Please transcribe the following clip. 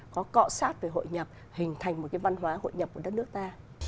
có cọ sát về hội nhập hình thành một cái văn hóa hội nhập của đất nước ta